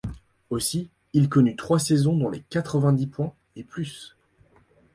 Aussi, il connut trois saisons dans les quatre-vingt-dix points et plus.